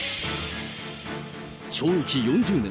懲役４０年。